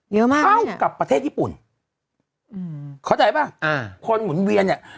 เท่ากับประเทศญี่ปุ่นเค้าใจป่ะคนหมุนเวียนเนี่ย